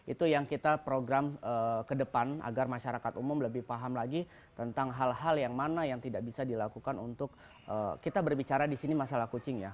itu yang kita program ke depan agar masyarakat umum lebih paham lagi tentang hal hal yang mana yang tidak bisa dilakukan untuk kita berbicara di sini masalah kucing ya